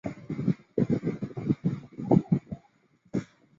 克林顿是一个位于美国阿肯色州范布伦县的城市。